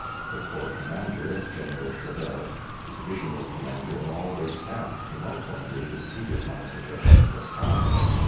The Corps Commander (General Chauvel), the Divisional Commander, and all their staffs came out one day to see if my suggestion was sound.